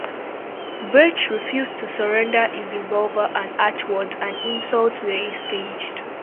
Birch refused to surrender his revolver and harsh words and insults were exchanged.